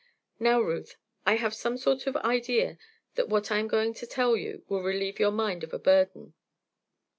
Now, Ruth, I have some sort of idea that what I am going to tell you will relieve your mind of a burden."